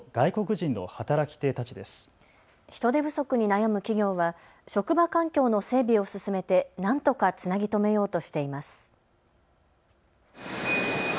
人手不足に悩む企業は職場環境の整備を進めて、なんとかつなぎとめようとしています。